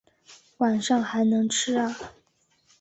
晚上还能吃啊